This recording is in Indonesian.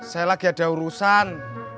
saya lagi ada urusan